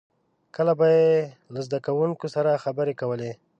• کله به یې له زدهکوونکو سره خبرې کولې.